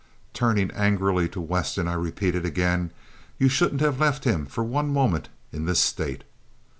Turning angrily to Weston I repeated again, "You shouldn't have left him for one moment in this state!"